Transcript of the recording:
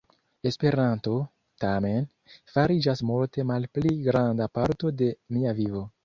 Esperanto, tamen, fariĝas multe malpli granda parto de mia vivo.